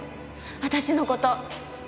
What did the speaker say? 私の事。